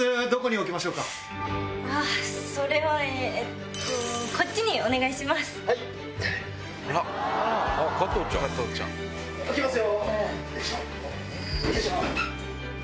置きますよ。